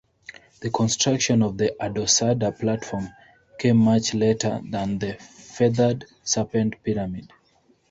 The construction of the Adosada platform came much later than the Feathered Serpent Pyramid.